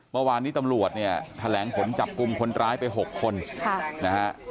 เมื่อวานนี้ตำรวจเนี่ยแถลงผลจับกลุ่มคนร้ายไป๖คนนะฮะ